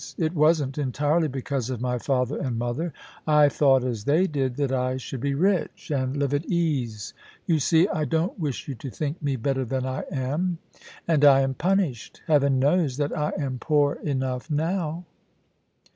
It wasn't entirely because of my father and mother. I thought, as they did, that I should be rich, and live at ease — you see, I don't wish you to think me better than I am — and I am punished ; heaven know^s that I am poor enough now.'